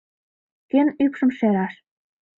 — Кӧн ӱпшым шераш?